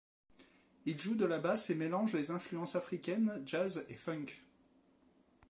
Il joue de la basse et mélange des influences africaines, jazz et funk.